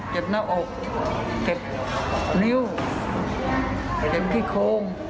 เจ็บหน้าอกเจ็บนิ้วเจ็บที่โคม